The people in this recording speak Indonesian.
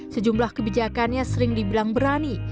sejumlah kebijakannya sering dibilang berani